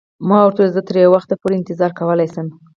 ما ورته وویل: زه تر یو وخته پورې انتظار کولای شم.